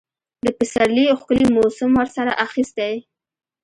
د پسرلي ښکلي موسم ورسره اخیستی.